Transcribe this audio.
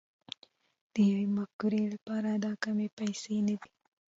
د يوې مفکورې لپاره دا کمې پيسې نه دي.